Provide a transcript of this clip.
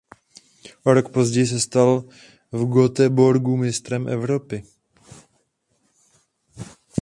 O rok později se stal v Göteborgu mistrem Evropy.